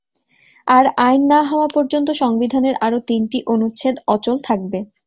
আর আইন না হওয়া পর্যন্ত সংবিধানের আরও তিনটি অনুচ্ছেদ অচল থাকবে।